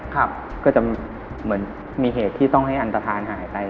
ก็จะเหมือนมีเหตุที่ต้องให้อันตฐานหายไป